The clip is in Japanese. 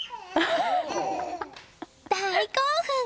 大興奮！